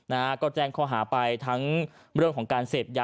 และจังขอหาไปทั้งเรื่องผู้เสพยานจนตำรวจสาวะ